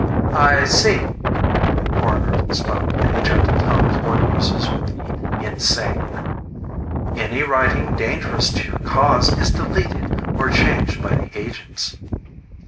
"I see." The Coroner spoke in the gentle tones one uses with the insane. "Any writing dangerous to your cause is deleted or changed by the agents."